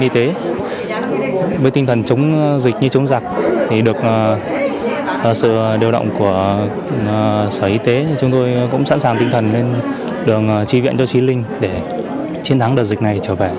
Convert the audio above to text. trong sự điều động của sở y tế chúng tôi cũng sẵn sàng tinh thần lên đường tri viện cho trí linh để chiến thắng đợt dịch này trở về